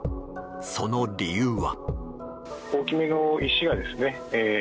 その理由は。